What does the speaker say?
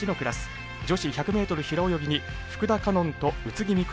女子１００ｍ平泳ぎに福田果音と宇津木美都